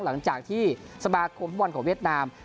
หลังจากที่สมาคมฟุตบอลของเวียดนาม